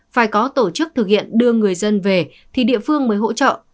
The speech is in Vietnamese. phải có tổ chức thực hiện đưa người dân về thì địa phương mới hỗ trợ